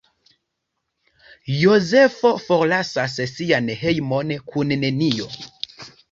Jozefo forlasas sian hejmon kun nenio.